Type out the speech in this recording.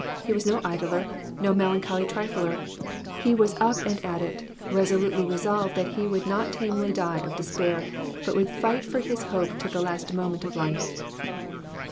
He was no idler, no melancholy trifler ; he was up and at it, resolutely resolved that he would not tamely die of despair, but would fight for his hope to the last moment of life.